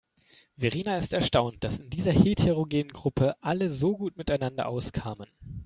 Verena ist erstaunt, dass in dieser heterogenen Gruppe alle so gut miteinander auskamen.